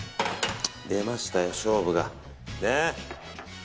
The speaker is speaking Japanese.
出ましたよ、勝負が。